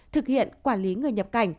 thực hiện quản lý người nhập cảnh